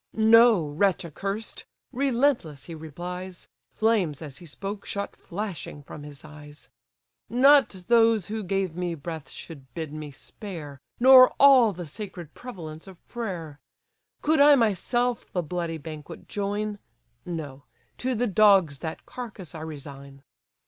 "No, wretch accursed! relentless he replies; (Flames, as he spoke, shot flashing from his eyes;) Not those who gave me breath should bid me spare, Nor all the sacred prevalence of prayer. Could I myself the bloody banquet join! No—to the dogs that carcase I resign.